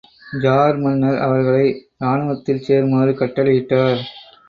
Jar மன்னர் அவர்களை ராணுவத்தில் சேருமாறு கட்டளையிட்டார்.